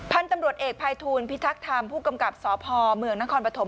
พันธุ์ตำรวจเอกภัยทูลพิทักษ์ธรรมผู้กำกับสพเมืองนครปฐม